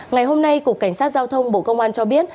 ngày hôm nay cục cảnh sát giao thông bộ công an cho biết